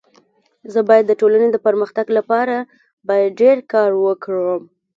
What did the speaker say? زه بايد د ټولني د پرمختګ لپاره باید ډير کار وکړم.